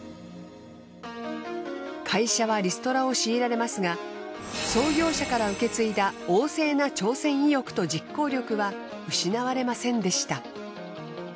会社はリストラを強いられますが創業者から受け継いだ旺盛な挑戦意欲と実行力は失われませんでした。